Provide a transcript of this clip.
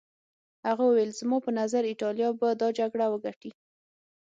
هغه وویل زما په نظر ایټالیا به دا جګړه وګټي.